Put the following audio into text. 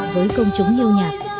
với công chúng yêu nhạc